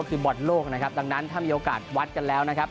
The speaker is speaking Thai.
ก็คือบอลโลกนะครับดังนั้นถ้ามีโอกาสวัดกันแล้วนะครับ